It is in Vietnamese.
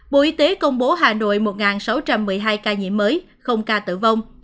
bộ y tế công bố hà nội một sáu trăm một mươi hai ca nhiễm mới không ca tử vong